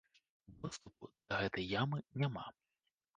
Доступу да гэтай ямы няма.